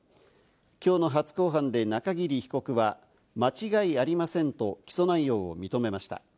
きょうの初公判で中桐被告は、間違いありませんと起訴内容を認めました。